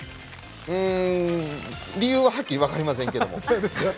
理由ははっきり分かりませんけれども。